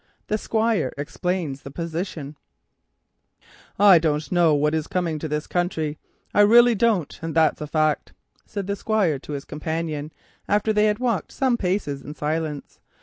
THE SQUIRE EXPLAINS THE POSITION "I don't know what is coming to this country, I really don't; and that's a fact," said the Squire to his companion, after they had walked some paces in silence.